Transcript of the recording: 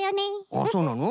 あっそうなの？